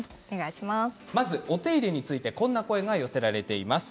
まず、お手入れについてこんな声が寄せられました。